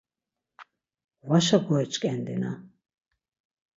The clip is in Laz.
Vaşa goiç̌ǩendina.